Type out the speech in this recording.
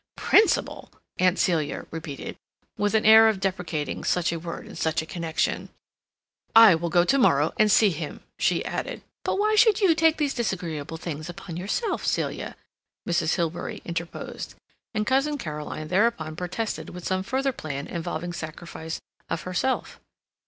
"Principle!" Aunt Celia repeated, with an air of deprecating such a word in such a connection. "I will go to morrow and see him," she added. "But why should you take these disagreeable things upon yourself, Celia?" Mrs. Hilbery interposed, and Cousin Caroline thereupon protested with some further plan involving sacrifice of herself.